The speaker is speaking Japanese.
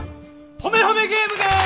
ほめほめゲームです！